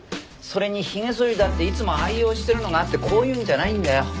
それにひげそりだっていつも愛用してるのがあってこういうのじゃないんだよ。